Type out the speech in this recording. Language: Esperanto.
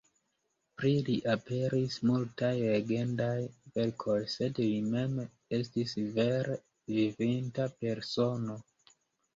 Pri li aperis multaj legendaj verkoj, sed li mem estis vere vivinta persono.